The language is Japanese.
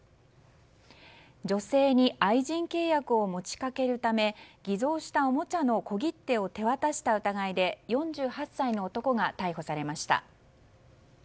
女性に愛人契約を持ちかけるため偽造したおもちゃの小切手を手渡した疑いで４８歳の男が逮捕されました。